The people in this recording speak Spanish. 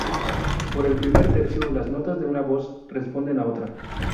Por el primer tercio, las notas de una voz responden a la otra.